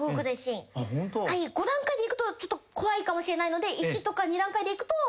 ５段階でいくとちょっと怖いかもしれないので１とか２段階でいくといいかもしれないです。